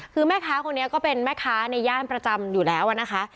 คือแม่ค้าคนนี้ก็เป็นแม่ค้าในย่านประจำอยู่แล้วนะคะ